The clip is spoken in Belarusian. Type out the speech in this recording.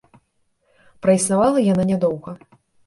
Праіснавала яна не доўга.